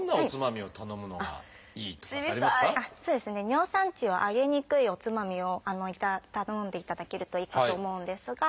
尿酸値を上げにくいおつまみを頼んでいただけるといいかと思うんですが。